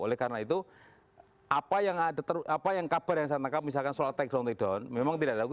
oleh karena itu apa yang kabar yang saya tangkap misalkan soal take down take down memang tidak dilakukan